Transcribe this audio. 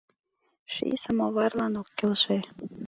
Ший самоварлан ок Келше.